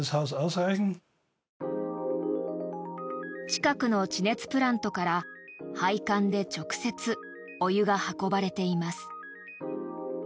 近くの地熱プラントから配管で直接お湯が運ばれています。